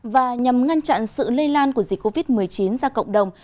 và nhằm ngăn chặn sự lây lan của dịch covid một mươi chín ra cộng đồng